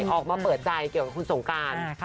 ออกมาเปิดใจเกี่ยวกับคุณสงการ